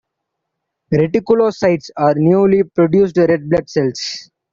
Reticulocytes are newly produced red blood cells.